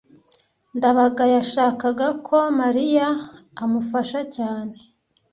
ndabaga yashakaga ko mariya amufasha cyane